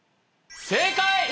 正解！